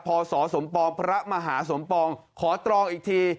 สมปองพระมหาสมปองขอตรองอีกที